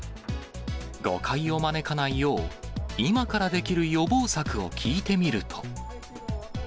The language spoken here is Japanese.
誤解を招かないよう、今からできる予防策を聞いてみると。